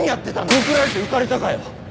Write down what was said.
告られて浮かれたかよ